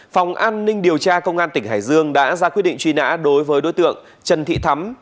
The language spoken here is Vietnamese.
phòng an ninh điều tra công an tỉnh hải dương đã ra quyết định truy nã đối với đối tượng trần thị thắm